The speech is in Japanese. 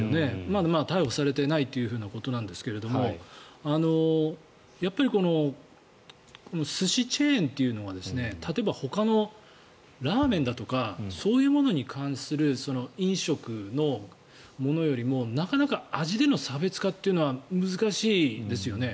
まあ、まだ逮捕されていないということですがやっぱり寿司チェーンというのは例えば、ほかのラーメンだとかそういうものに関する飲食のものよりもなかなか味での差別化というのは難しいですよね。